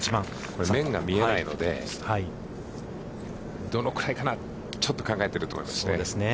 これ、面が見えないので、どのくらいかな、ちょっと考えていると思いますね。